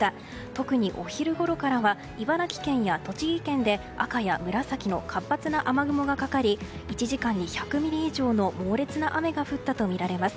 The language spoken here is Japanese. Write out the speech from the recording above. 特にお昼ごろからは茨城県や栃木県で赤や紫の活発な雨雲がかかり１時間に１００ミリ以上の猛烈な雨が降ったとみられます。